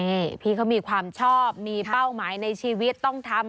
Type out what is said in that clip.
นี่พี่เขามีความชอบมีเป้าหมายในชีวิตต้องทำ